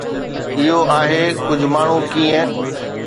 اهو آهي ڪجهه ماڻهو ڪيئن